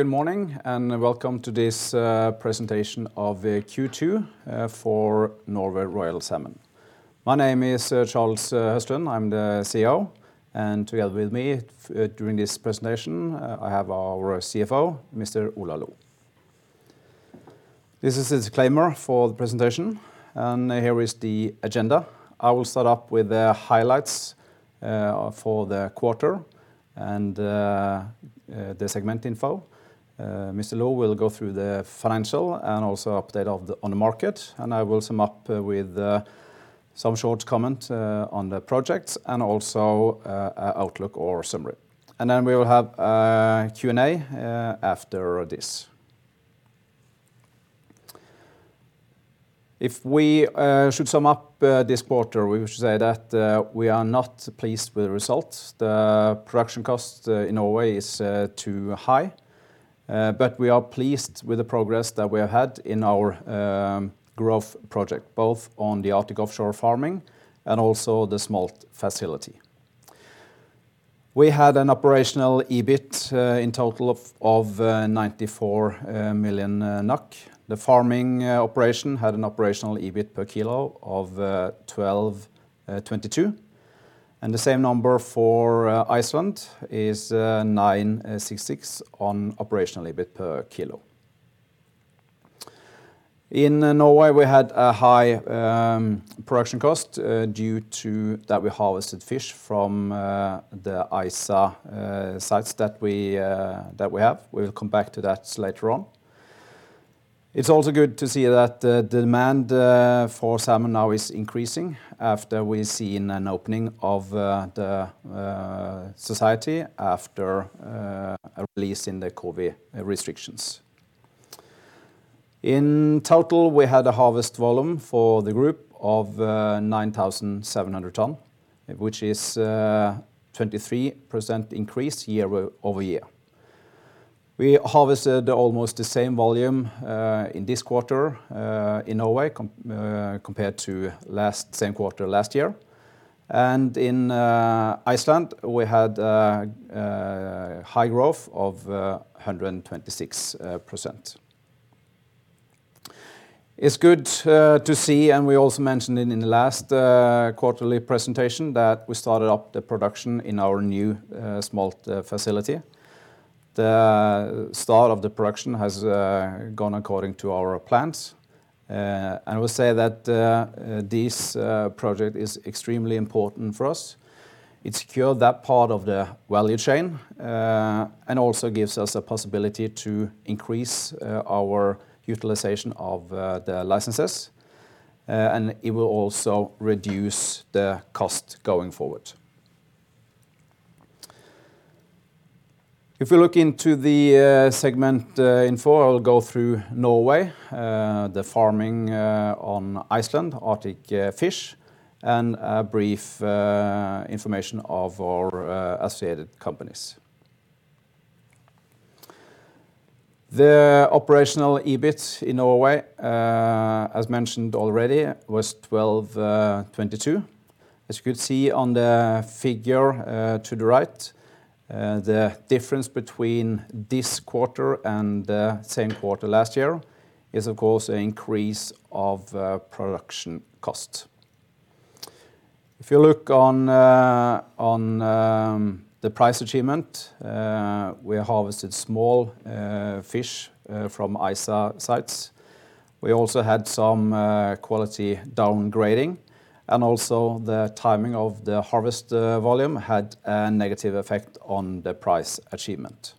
Good morning, welcome to this presentation of Q2 for Norway Royal Salmon. My name is Charles Høstlund, I'm the CEO, and together with me during this presentation, I have our CFO, Mr. Ola Loe. This is a disclaimer for the presentation, and here is the agenda. I will start up with the highlights for the quarter and the segment info. Mr. Loe will go through the financial and also update on the market, and I will sum up with some short comment on the projects and also outlook or summary. We will have a Q&A after this. If we should sum up this quarter, we should say that we are not pleased with the results. The production cost in a way is too high. We are pleased with the progress that we have had in our growth project, both on the Arctic Offshore Farming and also the smolt facility. We had an operational EBIT in total of 94 million NOK. The farming operation had an operational EBIT per kilo of 12.22, and the same number for Iceland is 9.66 on operational EBIT per kilo. In Norway, we had a high production cost due to that we harvested fish from the ISA sites that we have. We'll come back to that later on. It's also good to see that the demand for salmon now is increasing after we've seen an opening of the society after a release in the COVID restrictions. In total, we had a harvest volume for the group of 9,700 tons, which is 23% increase year-over-year. We harvested almost the same volume, in this quarter, in Norway compared to same quarter last year. In Iceland, we had high growth of 126%. It's good to see, we also mentioned it in the last quarterly presentation, that we started up the production in our new smolt facility. The start of the production has gone according to our plans. I will say that this project is extremely important for us. It secured that part of the value chain, also gives us a possibility to increase our utilization of the licenses, it will also reduce the cost going forward. If we look into the segment info, I'll go through Norway, the farming on Iceland, Arctic Fish, and a brief information of our associated companies. The operational EBIT in Norway, as mentioned already, was 12.22. As you could see on the figure to the right, the difference between this quarter and the same quarter last year is, of course, an increase of production cost. If you look on the price achievement, we harvested small fish from ISA sites. We also had some quality downgrading, and also the timing of the harvest volume had a negative effect on the price achievement.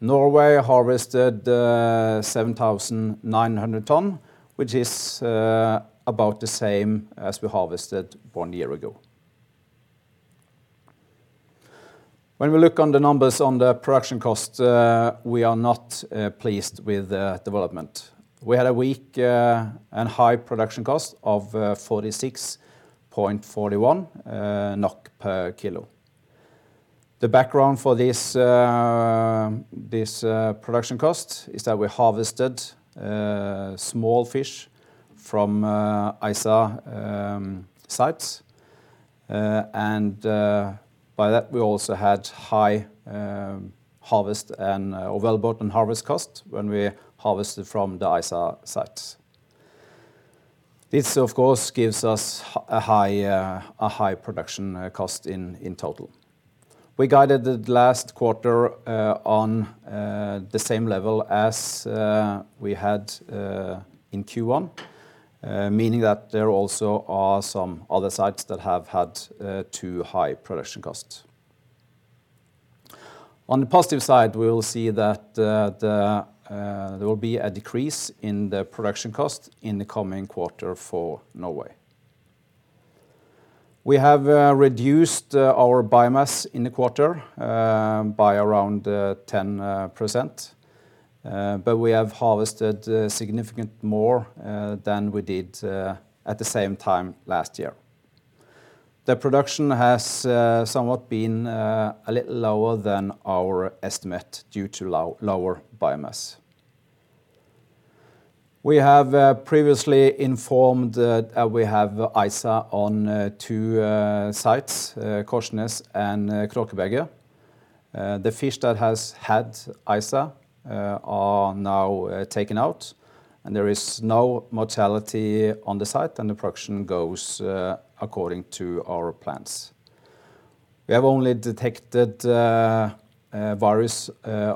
Norway harvested 7,900 tons, which is about the same as we harvested one year ago. When we look on the numbers on the production cost, we are not pleased with the development. We had a weak and high production cost of 46.41 NOK per kilo. The background for this production cost is that we harvested small fish from ISA sites. By that, we also had high harvest and available open harvest cost when we harvested from the ISA sites. This of course, gives us a high production cost in total. We guided the last quarter on the same level as we had in Q1, meaning that there also are some other sites that have had too high production costs. On the positive side, we will see that there will be a decrease in the production cost in the coming quarter for Norway. We have reduced our biomass in the quarter by around 10%, but we have harvested significant more than we did at the same time last year. The production has somewhat been a little lower than our estimate due to lower biomass. We have previously informed that we have ISA on two sites, Korsnes and Kråkeberget. The fish that has had ISA are now taken out, and there is no mortality on the site and the production goes according to our plans. We have only detected virus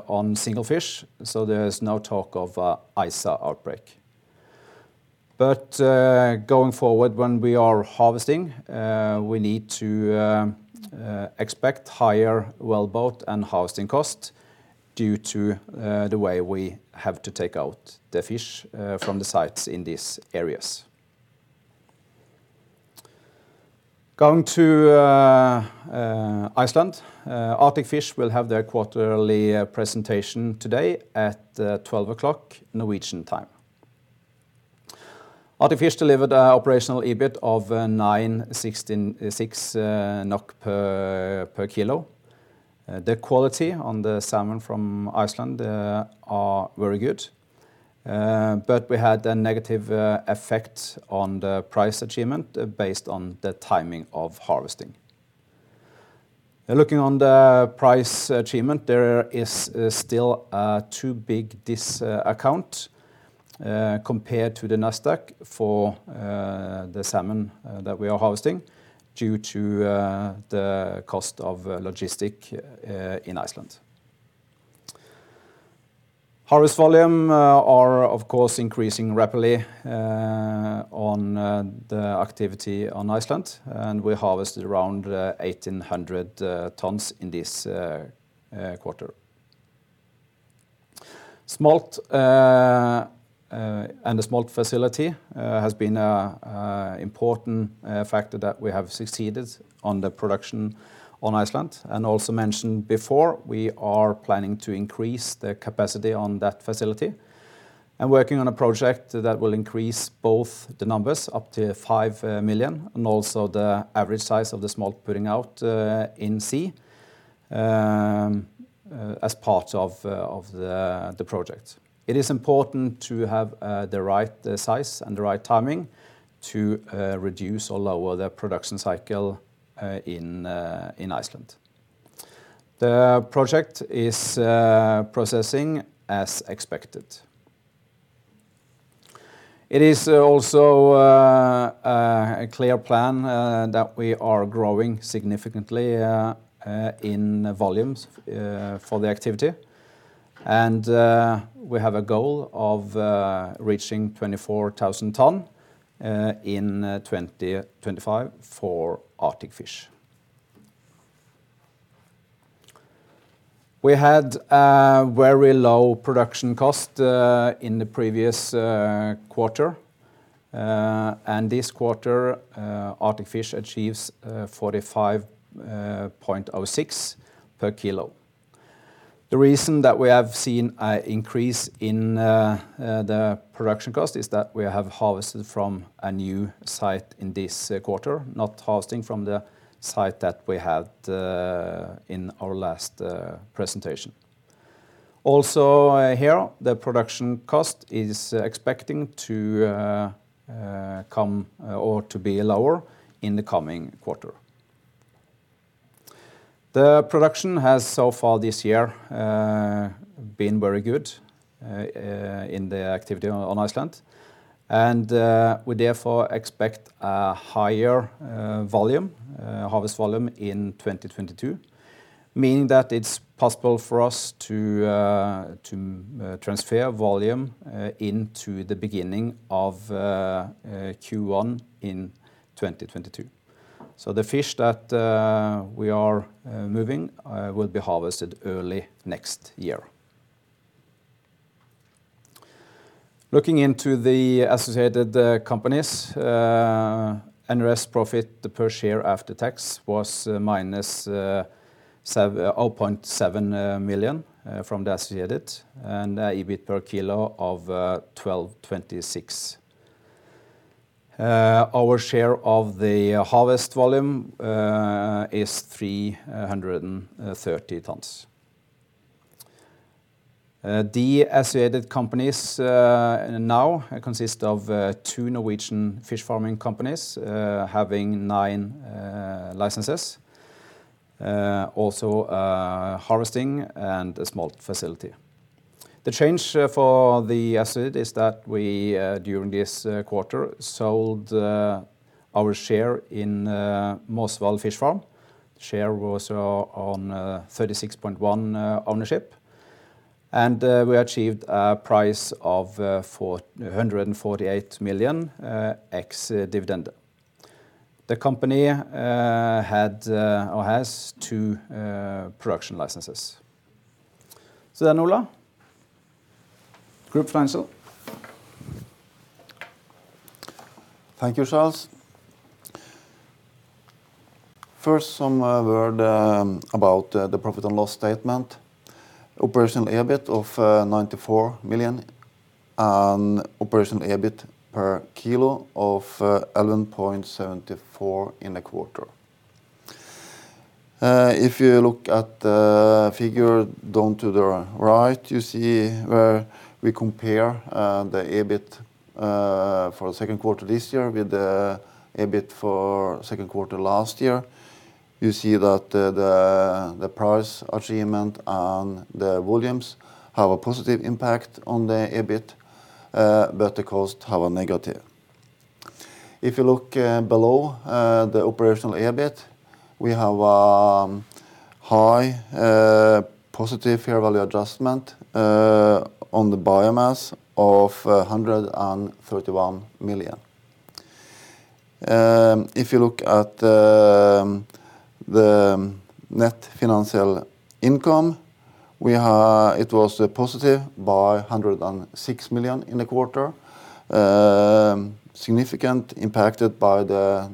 on single fish. There is no talk of ISA outbreak. Going forward, when we are harvesting, we need to expect higher wellboat and harvesting cost due to the way we have to take out the fish from the sites in these areas. Going to Iceland. Arctic Fish will have their quarterly presentation today at 12 o'clock Norwegian time. Arctic Fish delivered a operational EBIT of 9.66 NOK per kilo. The quality on the salmon from Iceland are very good. We had a negative effect on the price achievement based on the timing of harvesting. Looking on the price achievement, there is still a too big discount compared to the NASDAQ for the salmon that we are harvesting due to the cost of logistic in Iceland. Harvest volume are, of course, increasing rapidly on the activity on Iceland. We harvested around 1,800 tons in this quarter. Smolt and the smolt facility has been a important factor that we have succeeded on the production on Iceland. Also mentioned before, we are planning to increase the capacity on that facility. Working on a project that will increase both the numbers up to five million and also the average size of the smolt putting out in sea, as part of the project. It is important to have the right size and the right timing to reduce or lower the production cycle in Iceland. The project is progressing as expected. It is also a clear plan that we are growing significantly in volumes for the activity. We have a goal of reaching 24,000 tons in 2025 for Arctic Fish. We had a very low production cost in the previous quarter. This quarter, Arctic Fish achieves 45.06 per kilo. The reason that we have seen a increase in the production cost is that we have harvested from a new site in this quarter, not harvesting from the site that we had in our last presentation. Also here, the production cost is expecting to come or to be lower in the coming quarter. The production has, so far this year, been very good in the activity on Iceland. We therefore expect a higher volume, harvest volume in 2022, meaning that it's possible for us to transfer volume into the beginning of Q1 in 2022. The fish that we are moving will be harvested early next year. Looking into the associated companies, NRS profit per share after tax was -0.7 million from the associated, and EBIT per kilo of 1,226. Our share of the harvest volume is 330 tons. The associated companies now consist of two Norwegian fish farming companies having nine licenses. Also harvesting and a smolt facility. The change for the associated is that we, during this quarter, sold our share in Måsøval Fish Farm. Share was on 36.1% ownership, and we achieved a price of 148 million ex-dividend. The company had or has two production licenses. Ola Loe. Group financial. Thank you, Charles. First, some word about the profit and loss statement. Operational EBIT of 94 million and operational EBIT per kilo of 11.74 in the quarter. If you look at the figure down to the right, you see where we compare the EBIT for the second quarter this year with the EBIT for second quarter last year. You see that the price achievement and the volumes have a positive impact on the EBIT, but the cost have a negative. If you look below the operational EBIT, we have a high positive fair value adjustment on the biomass of 131 million. If you look at the net financial income, it was positive by 106 million in the quarter. Significant impacted by the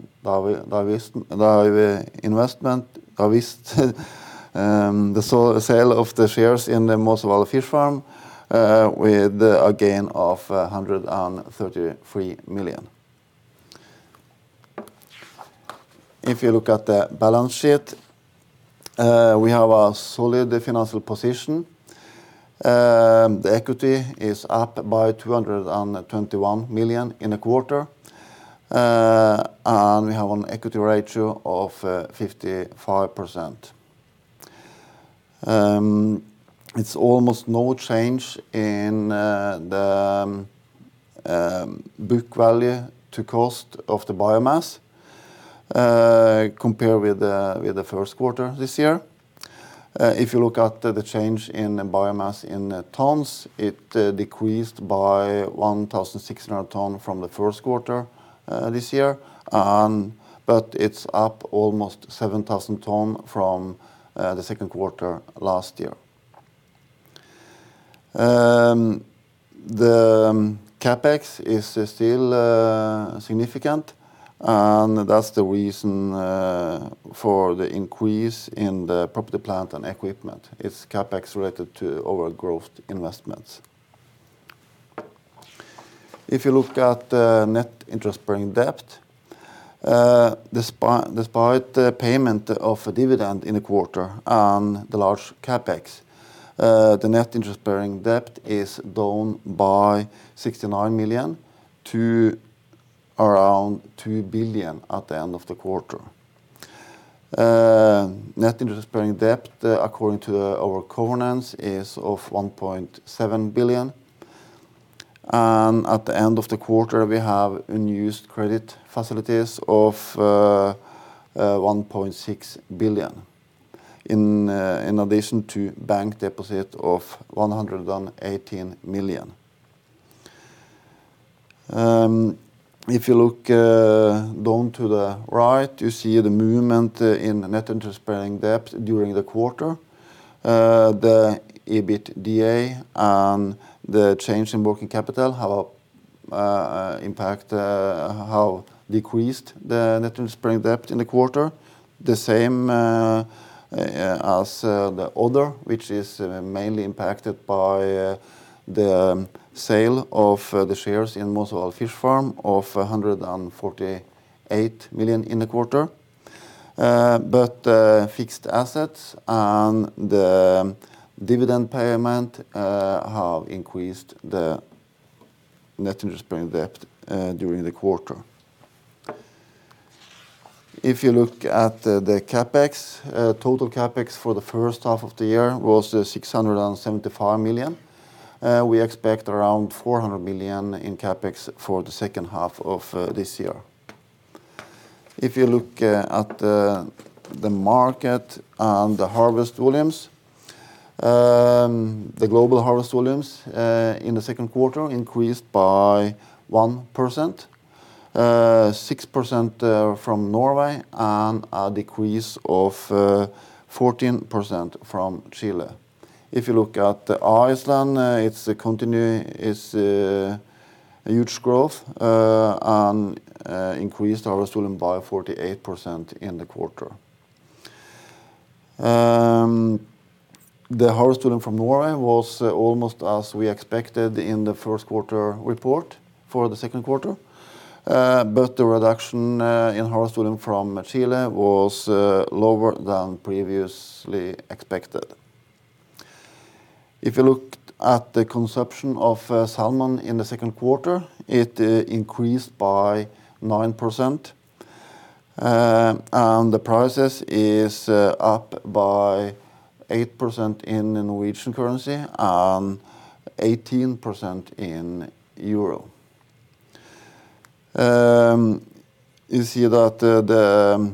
investment, the sale of the shares in the Måsøval Fish Farm with a gain of 133 million. If you look at the balance sheet, we have a solid financial position. The equity is up by 221 million in a quarter. We have an equity ratio of 55%. It's almost no change in the book value to cost of the biomass, compared with the first quarter this year. If you look at the change in biomass in tons, it decreased by 1,600 tons from the first quarter this year, but it's up almost 7,000 tons from the second quarter last year. The CapEx is still significant, and that's the reason for the increase in the property, plant, and equipment. It's CapEx related to our growth investments. If you look at the net interest-bearing debt, despite the payment of a dividend in a quarter and the large CapEx, the net interest-bearing debt is down by 69 million to around 2 billion at the end of the quarter. Net interest-bearing debt, according to our covenants, is of 1.7 billion, and at the end of the quarter, we have unused credit facilities of 1.6 billion in addition to bank deposit of 118 million. If you look down to the right, you see the movement in net interest-bearing debt during the quarter. The EBITDA and the change in working capital have decreased the net interest-bearing debt in the quarter. The same as the other, which is mainly impacted by the sale of the shares in Måsøval Fish Farm of 148 million in the quarter. Fixed assets and the dividend payment have increased the net interest-bearing debt during the quarter. If you look at the CapEx, total CapEx for the first half of the year was 675 million. We expect around 400 million in CapEx for the second half of this year. If you look at the market and the harvest volumes, the global harvest volumes in the second quarter increased by 1%, 6% from Norway, and a decrease of 14% from Chile. If you look at Iceland, it's continuing its huge growth and increased harvest volume by 48% in the quarter. The harvest volume from Norway was almost as we expected in the first quarter report for the second quarter. The reduction in harvest volume from Chile was lower than previously expected. If you look at the consumption of salmon in the second quarter, it increased by 9%, and the prices is up by 8% in NOK and 18% in EUR. You see that the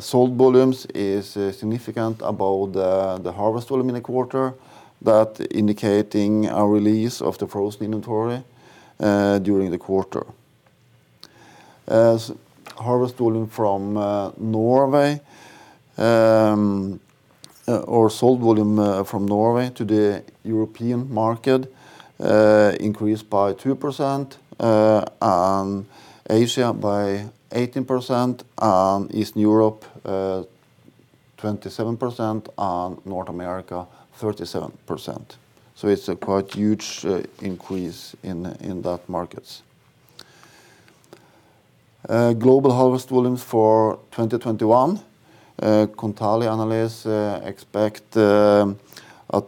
sold volumes is significant above the harvest volume in the quarter, that indicating a release of the frozen inventory during the quarter. As harvest volume from Norway or sold volume from Norway to the European market increased by 2%, and Asia by 18%, and Eastern Europe 27% and North America 37%. It's a quite huge increase in that markets. Global harvest volumes for 2021. Kontali analysts expect a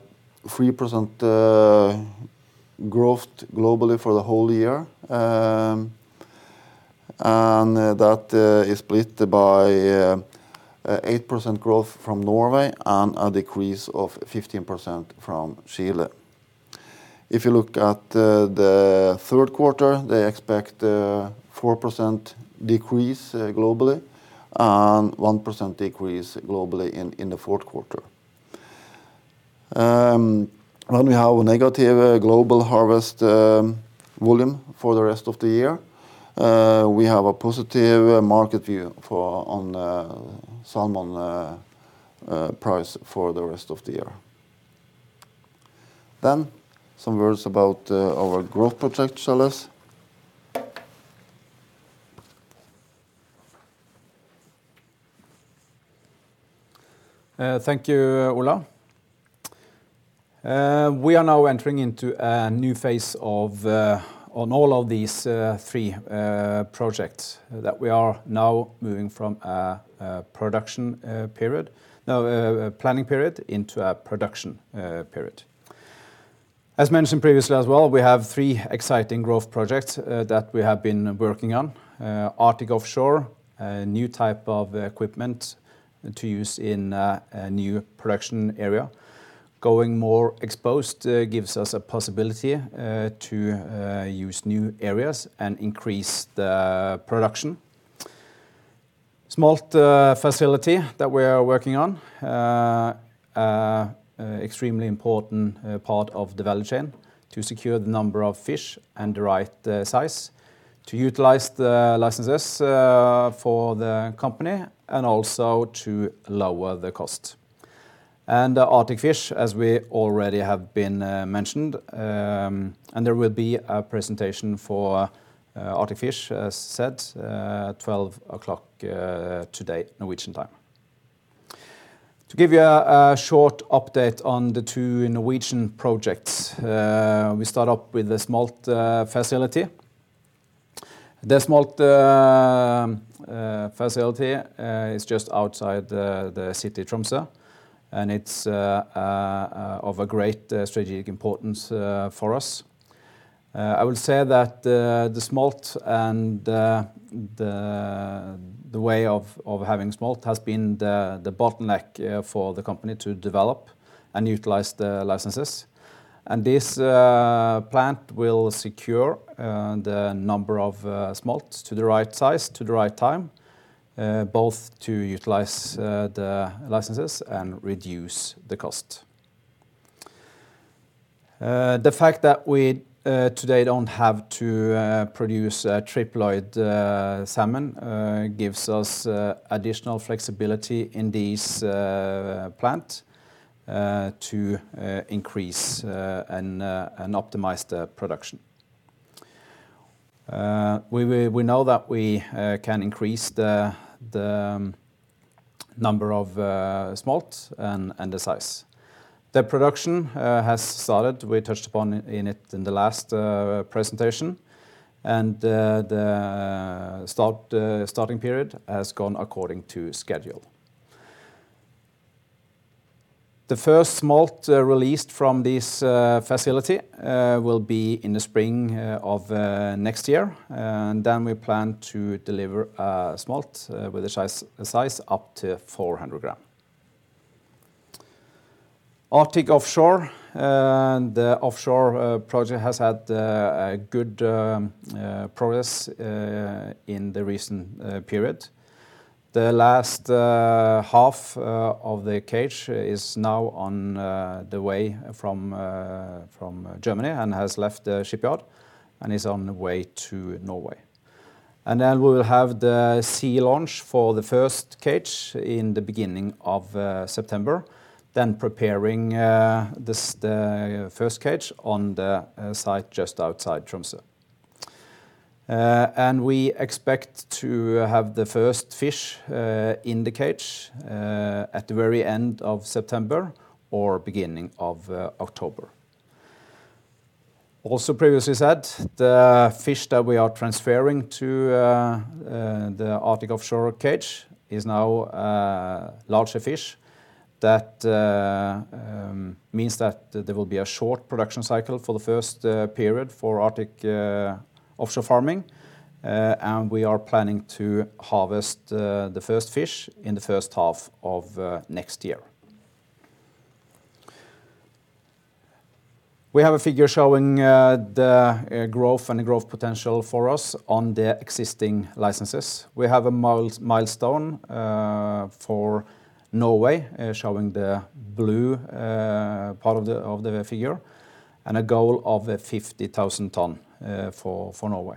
3% growth globally for the whole year, and that is split by 8% growth from Norway and a decrease of 15% from Chile. If you look at the third quarter, they expect 4% decrease globally and 1% decrease globally in the fourth quarter. When we have a negative global harvest volume for the rest of the year, we have a positive market view on salmon price for the rest of the year. Then some words about our growth projects. Charles. Thank you, Ola. We are now entering into a new phase on all of these three projects that we are now moving from a planning period into a production period. As mentioned previously as well, we have three exciting growth projects that we have been working on. Arctic Offshore, a new type of equipment to use in a new production area. Going more exposed gives us a possibility to use new areas and increase the production. smolt facility that we are working on. Extremely important part of the value chain to secure the number of fish and the right size to utilize the licenses for the company and also to lower the cost. The Arctic Fish, as we already have been mentioned, and there will be a presentation for Arctic Fish, as said, at 12:00PM today, Norwegian time. To give you a short update on the two Norwegian projects. We start up with the smolt facility. The smolt facility is just outside the city Tromsø, and it's of a great strategic importance for us. I would say that the smolt and the way of having smolt has been the bottleneck for the company to develop and utilize the licenses. This plant will secure the number of smolt to the right size, to the right time, both to utilize the licenses and reduce the cost. The fact that we today don't have to produce triploid salmon gives us additional flexibility in this plant to increase and optimize the production. We know that we can increase the number of smolt and the size. The production has started. We touched upon it in the last presentation, and the starting period has gone according to schedule. The first smolt released from this facility will be in the spring of next year, then we plan to deliver smolt with a size up to 400 g. Arctic Offshore. The offshore project has had good progress in the recent period. The last half of the cage is now on the way from Germany and has left the shipyard and is on the way to Norway. Then we will have the sea launch for the first cage in the beginning of September, then preparing the first cage on the site just outside Tromsø. We expect to have the first fish in the cage at the very end of September or beginning of October. Also previously said, the fish that we are transferring to the Arctic Offshore cage is now larger fish. That means that there will be a short production cycle for the first period for Arctic Offshore Farming. We are planning to harvest the first fish in the first half of next year. We have a figure showing the growth and growth potential for us on the existing licenses. We have a milestone for Norway showing the blue part of the figure and a goal of 50,000 tons for Norway.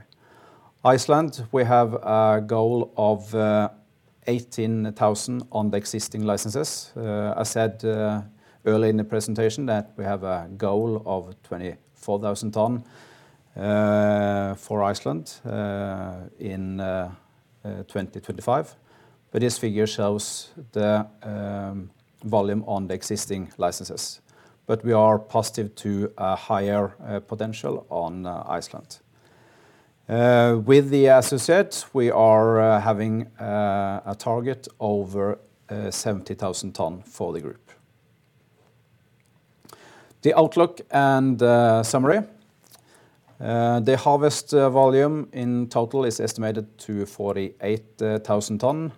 Iceland, we have a goal of 18,000 tons on the existing licenses. I said early in the presentation that we have a goal of 24,000 tons for Iceland in 2025. This figure shows the volume on the existing licenses. We are positive to a higher potential on Iceland. With the associates, we are having a target over 70,000 tons for the group. The outlook and summary. The harvest volume in total is estimated to 48,000 tons.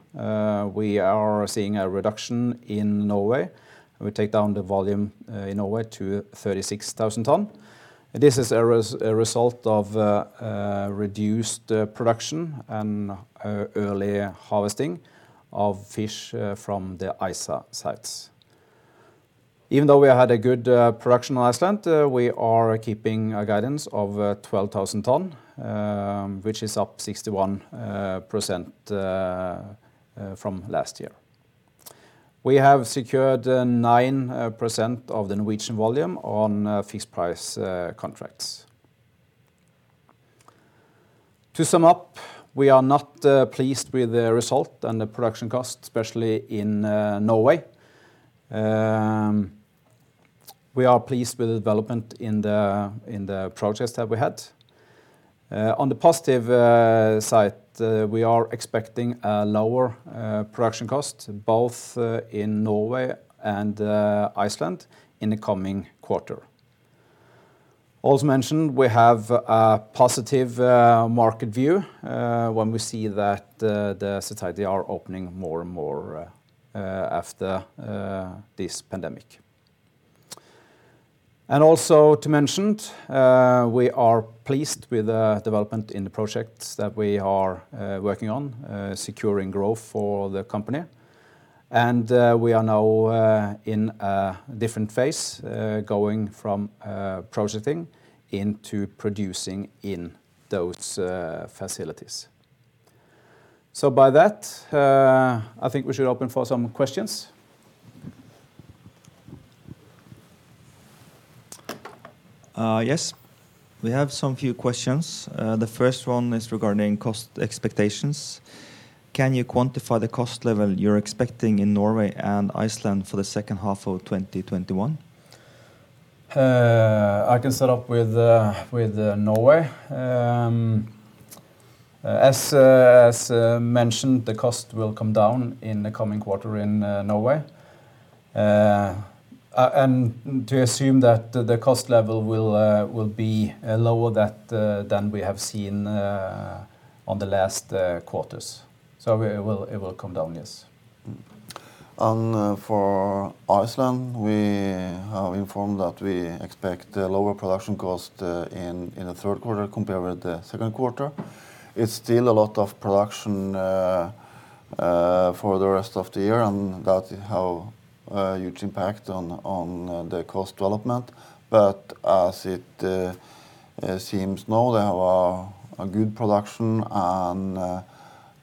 We are seeing a reduction in Norway. We take down the volume in Norway to 36,000 tons. This is a result of reduced production and early harvesting of fish from the ISA sites. Even though we had a good production on Iceland, we are keeping a guidance of 12,000 tons, which is up 61% from last year. We have secured 9% of the Norwegian volume on fixed price contracts. To sum up, we are not pleased with the result and the production cost, especially in Norway. We are pleased with the development in the projects that we had. On the positive side, we are expecting a lower production cost, both in Norway and Iceland in the coming quarter. Also mentioned, we have a positive market view when we see that the society are opening more and more after this pandemic. Also to mention, we are pleased with the development in the projects that we are working on, securing growth for the company. We are now in a different phase, going from projecting into producing in those facilities. By that, I think we should open for some questions. Yes. We have some few questions. The first one is regarding cost expectations. Can you quantify the cost level you're expecting in Norway and Iceland for the second half of 2021? I can start up with Norway. As mentioned, the cost will come down in the coming quarter in Norway. To assume that the cost level will be lower than we have seen on the last quarters. It will come down, yes. For Iceland, we have informed that we expect a lower production cost in the third quarter compared with the second quarter. It's still a lot of production for the rest of the year, and that have a huge impact on the cost development. As it seems now, they have a good production and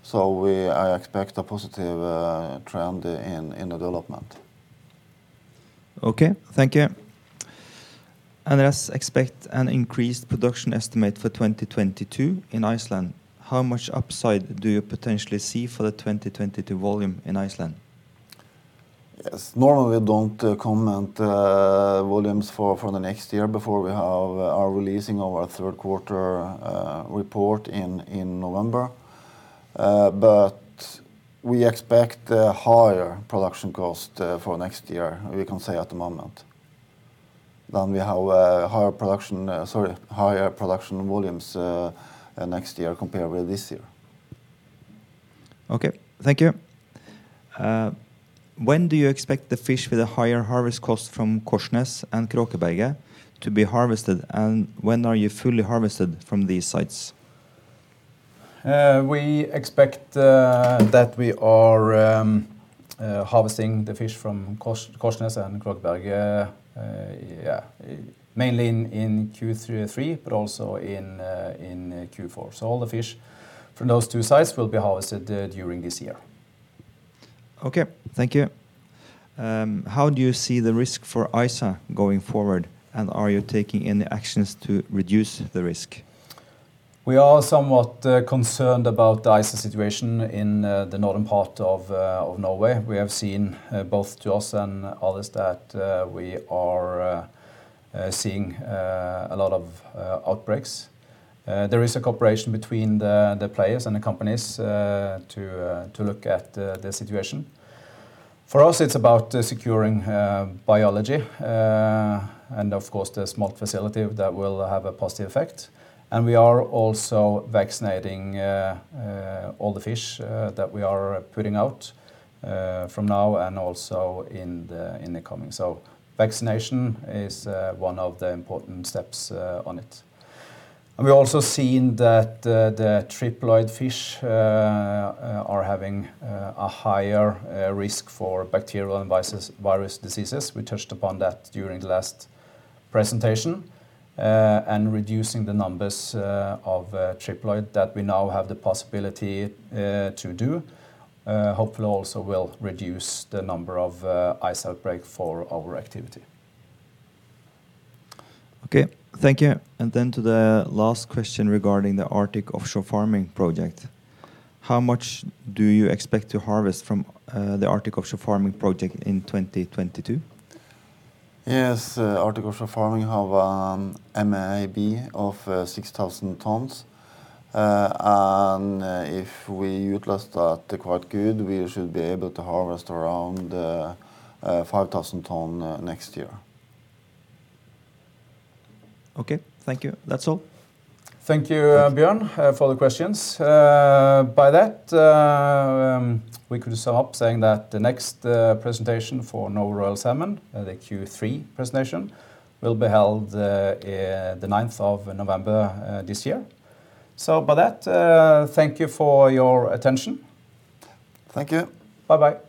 so I expect a positive trend in the development. Okay, thank you. Let's expect an increased production estimate for 2022 in Iceland. How much upside do you potentially see for the 2022 volume in Iceland? Yes. Normally we don't comment volumes for the next year before we are releasing our third quarter report in November. We expect higher production cost for next year, we can say at the moment. We have higher production volumes next year compared with this year. Okay. Thank you. When do you expect the fish with a higher harvest cost from Korsnes and Kråkeberget to be harvested, and when are you fully harvested from these sites? We expect that we are harvesting the fish from Korsnes and Kråkeberget mainly in Q3, but also in Q4. All the fish from those two sites will be harvested during this year. Okay. Thank you. How do you see the risk for ISA going forward, and are you taking any actions to reduce the risk? We are somewhat concerned about the ISA situation in the northern part of Norway. We have seen both to us and others that we are seeing a lot of outbreaks. There is a cooperation between the players and the companies to look at the situation. For us, it's about securing biology, and of course, the smolt facility that will have a positive effect. We are also vaccinating all the fish that we are putting out from now and also in the coming. Vaccination is one of the important steps on it. We also seen that the triploid fish are having a higher risk for bacterial and virus diseases. We touched upon that during the last presentation. Reducing the numbers of triploid that we now have the possibility to do, hopefully also will reduce the number of ISA outbreak for our activity. Okay. Thank you. Then to the last question regarding the Arctic Offshore Farming project. How much do you expect to harvest from the Arctic Offshore Farming project in 2022? Yes. Arctic Offshore Farming have a MAB of 6,000 tons. If we utilize that quite good, we should be able to harvest around 5,000 tons next year. Okay. Thank you. That's all. Thank you, Bjorn, for the questions. We could start up saying that the next presentation for Norway Royal Salmon, the Q3 presentation, will be held the ninth of November this year. By that, thank you for your attention. Thank you. Bye-bye.